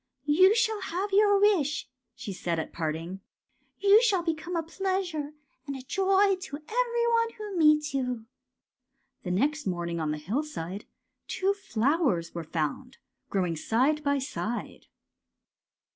You shall have your wish," she said, at GOLDENROD AND ASTER 221 parting, ^^ you shall become a pleasure and a joy to every one who meets you! " The next morning on the hillside two flowers were found, growing side by side.